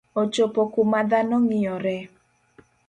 Ochopo kuma dhano ng'iyore